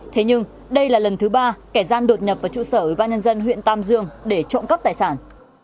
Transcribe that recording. thế nhưng đây là lần thứ ba kẻ gian đột nhập vào trụ sở ủy ban nhân dân huyện tam dương để trộm cắp tài sản